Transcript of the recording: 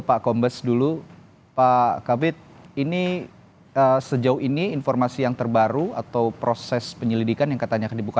namun setelah prey sincerity saya mengesankan penelan penelan dengan hal welcomed